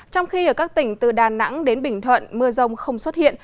trong khi ở các tỉnh từ đà nẵng đến bình thuận mưa rông không xuất hiện